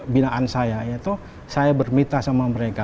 bila saya itu saya berminta sama mereka